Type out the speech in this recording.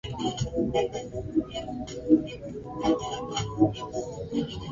Dhibiti kutembea kwa mifugo